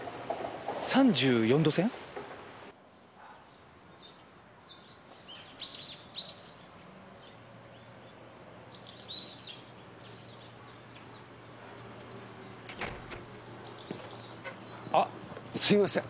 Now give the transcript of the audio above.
３４度線？あっすいません。